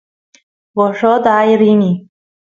gorrot aay rini